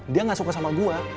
dia gak suka sama gue